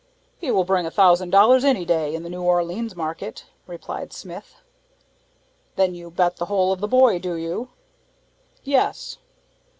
"He will bring a thousand dollars, any day, in the New Orleans market," replied Smith. "Then you bet the whole of the boy, do you?" "Yes."